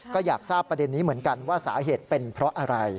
ก็อยากทราบประเด็นนี้เหมือนกันว่าสาเหตุเป็นเพราะอะไร